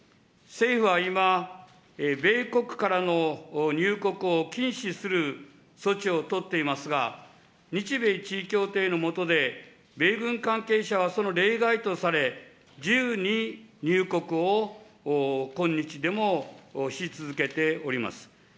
政府は今、米国からの入国を禁止する措置を取っていますが、日米地位協定の下で、米軍関係者はその例外とされ、自由に入国を、今日でもし続けております。